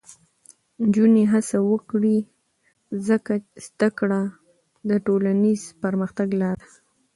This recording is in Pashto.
نجونې هڅه وکړي، ځکه زده کړه د ټولنیز پرمختګ لاره ده.